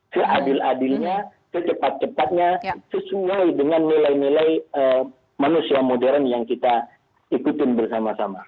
seadil adilnya secepat cepatnya sesuai dengan nilai nilai manusia modern yang kita ikutin bersama sama